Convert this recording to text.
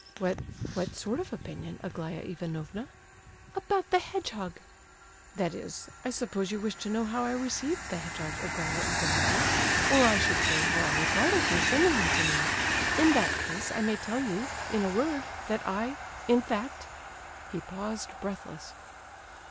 "What—what sort of opinion, Aglaya Ivanovna?" "About the hedgehog." "That is—I suppose you wish to know how I received the hedgehog, Aglaya Ivanovna,—or, I should say, how I regarded your sending him to me? In that case, I may tell you—in a word—that I—in fact—" He paused, breathless.